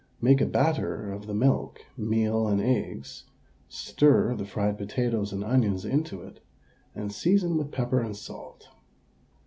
Make a batter of the milk, meal, and eggs, stir the fried potatoes and onions into it, and season with pepper and salt.